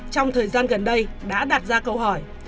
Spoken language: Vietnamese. trong thời gian gần đây đã đặt ra câu hỏi